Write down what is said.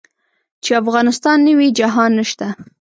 چې افغانستان نه وي جهان نشته.